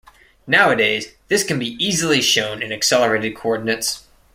Nowadays, this can be easily shown in accelerated coordinates.